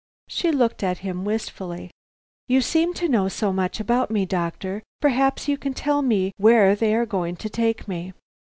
She looked at him wistfully. "You seem to know so much about me, doctor, perhaps you can tell me where they are going to take me."